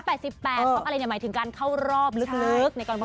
เพราะ๘๘เพราะอะไรหมายถึงการเข้ารอบลึกในการประกวด